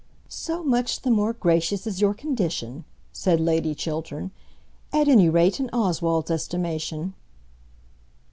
"So much the more gracious is your condition," said Lady Chiltern, "at any rate in Oswald's estimation."